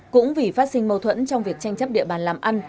cũng vì phát sinh mâu thuẫn trong việc tranh chấp địa bàn làm ăn